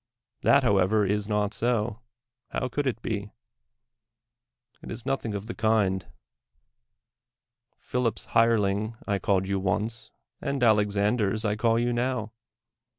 That, however, is not so — how could it be ? It is nothing of the kind. Phil ip 's hireling I called you once, and Alexander's I call you now.